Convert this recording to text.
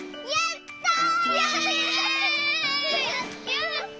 やった！